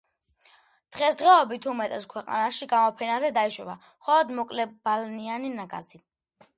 დღესდღეობით უმეტეს ქვეყანაში გამოფენაზე დაიშვება მხოლოდ მოკლებალნიანი ნაგაზი.